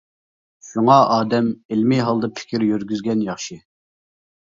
شۇڭا ئادەم ئىلمى ھالدا پىكىر يۈرگۈزگەن ياخشى.